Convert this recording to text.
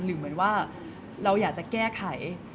เหมือนว่าเราอยากจะแก้ไข